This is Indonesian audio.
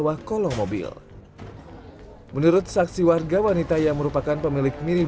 pakur mundur terus mandi lagi yang punya mobilnya